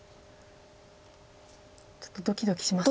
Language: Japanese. ちょっとドキドキしますね。